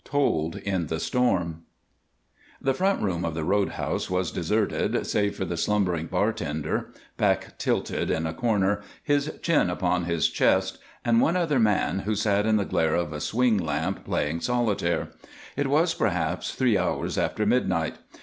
TOLD IN THE STORM The front room of the roadhouse was deserted save for the slumbering bartender, back tilted in a corner, his chin upon his chest, and one other man who sat in the glare of a swing lamp playing solitaire. It was, perhaps, three hours after midnight.